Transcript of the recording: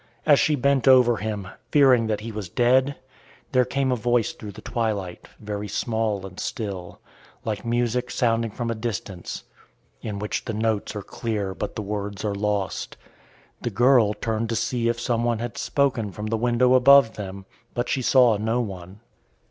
As she bent over him, fearing that he was dead, there came a voice through the twilight, very small and still, like music sounding from a distance, in which the notes are clear but the words are lost. The girl turned to see if some one had spoken from the window above them, but she saw no one.